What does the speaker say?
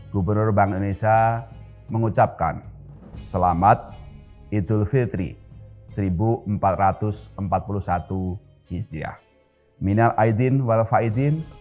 gubernur bank indonesia mengucapkan selamat idul fitri seribu empat ratus empat puluh satu hisyah minal aydin wal faidhin